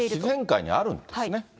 自然界にあるんですね。